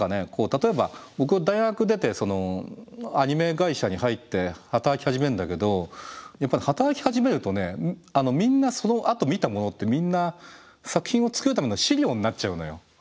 例えば僕大学出てアニメ会社に入って働き始めるんだけどやっぱり働き始めるとねみんなそのあと見たものってみんな作品を作るための資料になっちゃうのよ。